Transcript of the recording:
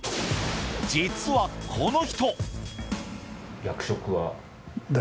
実はこの人。